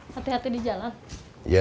hati hati di jalan